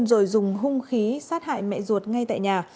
rồi dùng hung khí sát hại mẹ ruột ngay tại nhà